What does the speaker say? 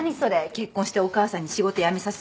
結婚してお母さんに仕事辞めさせた人が。